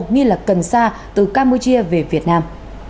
nghi lập cần xa từ campuchia về việt nam